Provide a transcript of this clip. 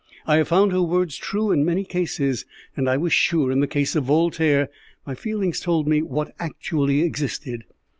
I have found her words true in many cases, and I was sure in the case of Voltaire my feelings told me what actually existed.